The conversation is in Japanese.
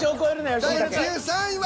第１３位は。